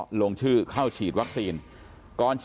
พี่สาวของเธอบอกว่ามันเกิดอะไรขึ้นกับพี่สาวของเธอ